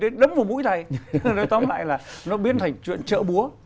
thầy đấm vào mũi thầy nói tóm lại là nó biến thành chuyện chợ búa